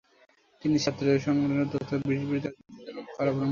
তিনি ছাত্রী সংঘের উদ্যোক্তা এবং ব্রিটিশ বিরোধী রাজনীতির জন্য কারাবরণ করেন।